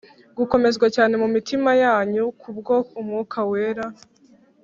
gukomezwa cyane mu mitima yanyu ku bwo Umwuka we;